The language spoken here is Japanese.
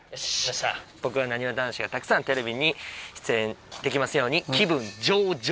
僕は「なにわ男子がたくさんテレビに出演できますように！気分城丈」です。